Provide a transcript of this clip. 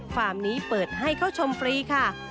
ฟาร์มนี้เปิดให้เข้าชมฟรีค่ะ